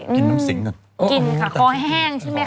กินน้ำสิงหน่อย